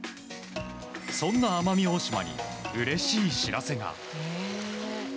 そんな奄美大島にうれしい知らせが。